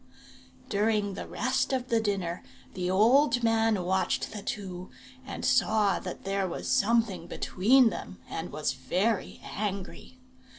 "During the rest of the dinner the old man watched the two, and saw that there was something between them, and was very angry.